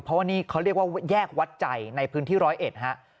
เพราะว่านี่เขาเรียกว่าแยกวัดใจในพื้นที่ร้อยเอ็ดฮะ